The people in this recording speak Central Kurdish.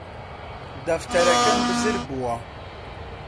دەفتەرەکەم بزر بووە